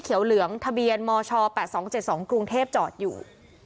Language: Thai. เขียวเหลืองทะเบียนมชแปดสองเจ็ดสองกรุงเทพจอดอยู่